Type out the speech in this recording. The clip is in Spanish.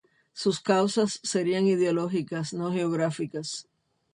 Sus causas serían ideológicas, no geográficas.